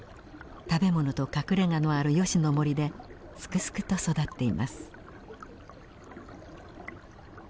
食べ物と隠れがのあるヨシの森ですくすくと育っています。